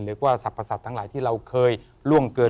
หรือว่าสรรพสัตว์ทั้งหลายที่เราเคยล่วงเกิน